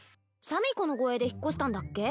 シャミ子の護衛で引っ越したんだっけ